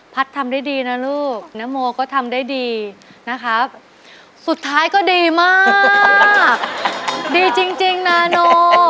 ผัสทำได้ดีนะลูกน้ามวก็ทำได้ดีสุดท้ายก็ดีมากดีจริงนะอบมือน้อย